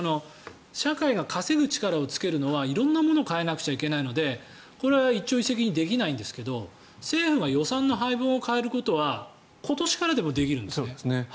社会が稼ぐ力をつけるには色んなものを変えなくちゃいけないのでこれは一朝一夕にできないんですが政府が予算の配分を変えることは今年からでもできるんですね。